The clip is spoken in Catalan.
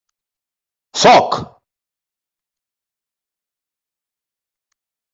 Foc!